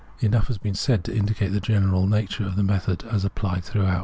Enough has been said to indicate the general nature of the method as apphed throughout.